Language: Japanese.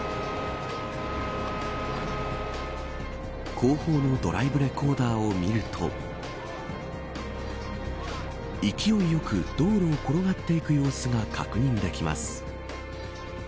後方のドライブレコーダーを見ると勢いよく道路を転がっていく様子が確認できます。